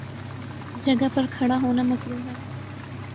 جگہ پر کھڑا ہونا مکروہ ہے۔